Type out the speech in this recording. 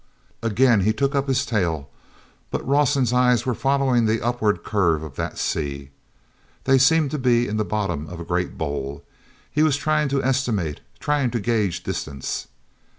Again he took up his tale, but Rawson's eyes were following the upward curve of that sea. They, seemed to be in the bottom of a great bowl; he was trying to estimate, trying to gage distance.